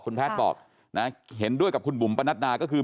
คุณแพทย์บอกนะเห็นด้วยกับคุณบุ๋มปนัดนาก็คือ